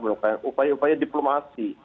melakukan upaya upaya diplomasi